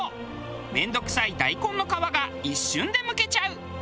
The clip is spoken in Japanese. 面倒くさい大根の皮が一瞬でむけちゃう。